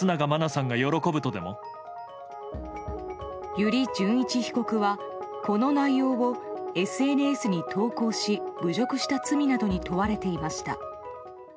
油利潤一被告はこの内容をＳＮＳに投稿し侮辱した罪などに問われていました。